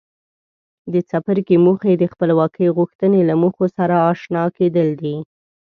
د څپرکي موخې د خپلواکۍ غوښتنې له موخو سره آشنا کېدل دي.